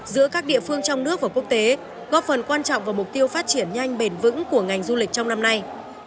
giữa các địa phương trong nước và quốc tế góp phần quan trọng vào mục tiêu phát triển nhanh bền vững của ngành du lịch trong năm nay